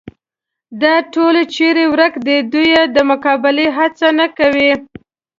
دا ټول چېرې ورک دي، دوی یې د مقابلې هڅه نه کوي.